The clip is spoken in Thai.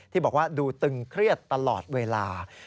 ที่บอกว่าดูตึงเครียดตลอดเวลา